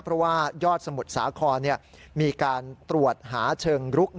เพราะว่ายอดสมุทรสาครมีการตรวจหาเชิงรุก